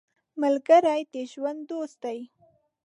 ملګری د ژوند دوست دی